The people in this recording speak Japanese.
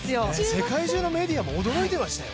世界中のメディアも驚いていましたよ！